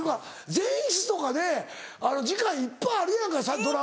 前室とかで時間いっぱいあるやんかドラマ。